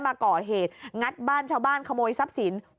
มาก่อเหตุงัดบ้านชาวบ้านขโมยทรัพย์สิน